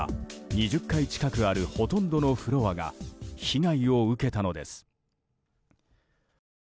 ２０階近くあるほとんどのフロアが被害を受けたのです。